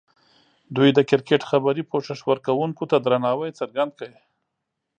دوی د کرکټ خبري پوښښ ورکوونکو ته درناوی څرګند کړ.